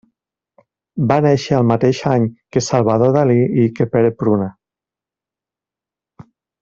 Va néixer el mateix any que Salvador Dalí i que Pere Pruna.